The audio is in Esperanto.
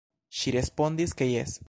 Ŝi respondis, ke jes".